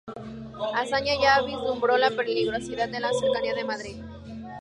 Azaña ya vislumbró la "peligrosidad" de la cercanía de Madrid.